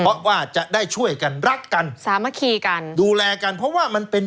เพราะว่าจะได้ช่วยกันรักกันสามัคคีกันดูแลกันเพราะว่ามันเป็น